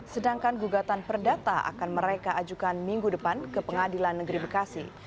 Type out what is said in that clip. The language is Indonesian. sedangkan gugatan perdata akan mereka ajukan minggu depan ke pengadilan negeri bekasi